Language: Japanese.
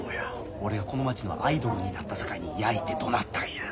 俺がこの町のアイドルになったさかいにやいてどなったんや。